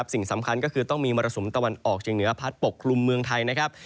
สิ่งสำคัญก็คือต้องมีมรสุมตะวันออกเชียงเหนือพัดปกคลุมเมืองไทยนะครับ